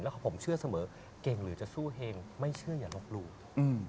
แล้วผมเชื่อเสมอเก่งหรือจะสู้เฮงไม่เชื่ออย่าลบหลู่อืม